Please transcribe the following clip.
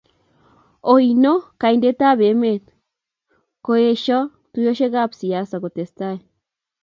oino, kandoindetab emet koieshoo tuiyeshekab siasa kotesetai